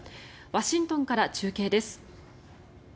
ワシントンから中継です。